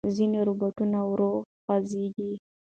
ځینې روباټونه ورو خوځېږي.